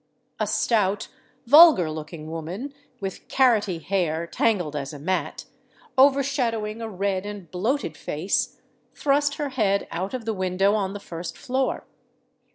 A stout, vulgar looking woman, with carrotty hair, tangled as a mat, overshadowing a red and bloated face, thrust her head out of the window on the first floor.